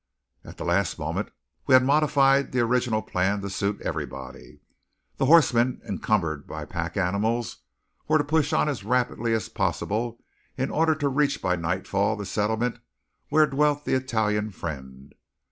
At the last moment we had modified the original plan to suit everybody. The horsemen encumbered by pack animals were to push on as rapidly as possible in order to reach by nightfall the settlement where dwelt the Italian friend.